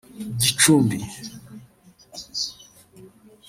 Gicumbi